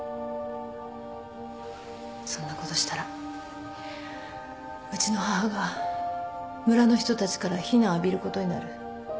そんなことしたらうちの母が村の人たちから非難を浴びることになる。